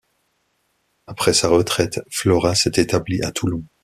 Après sa retraite, Flora s'est établie à Toulon.